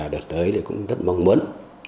đợt tới thì cũng rất mong muốn